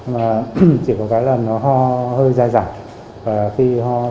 mà chỉ có cái là nó ho hơi dài dài